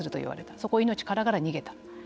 そこを命からがらに逃げた。